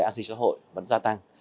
an sinh xã hội vẫn gia tăng